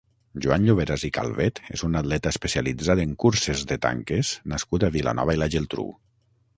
Joan Lloveras i Calvet és un atleta especialitzat en curses de tanques nascut a Vilanova i la Geltrú.